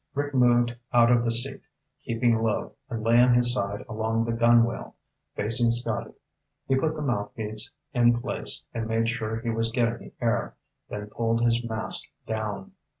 Rick moved out of the seat, keeping low, and lay on his side along the gunwale, facing Scotty. He put the mouthpiece in place and made sure he was getting air, then pulled his mask down.